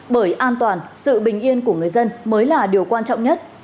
bởi an toàn sự bình yên của người dân mới là điều quan trọng nhất